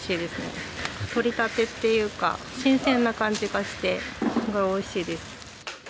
採りたてっていうか新鮮な感じがしてすごくおいしいです。